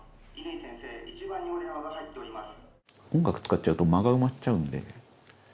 先生１番にお電話が入っております。